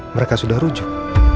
mereka sudah rujuk